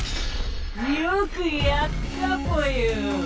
よくやったぽよ。